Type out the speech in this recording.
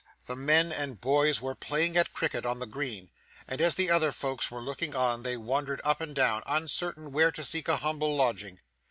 The men and boys were playing at cricket on the green; and as the other folks were looking on, they wandered up and down, uncertain where to seek a humble lodging.